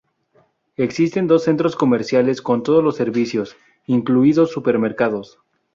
Existen dos centros comerciales con todos los servicios, incluidos supermercados.